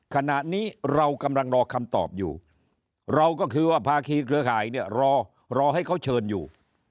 ขณะนี้เรากำลังรอคำตอบอยู่เราก็คือว่าภาคีเครือข่ายเนี่ยรอรอให้เขาเชิญอยู่